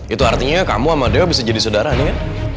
itu artinya kamu sama dea bisa jadi saudara nih kan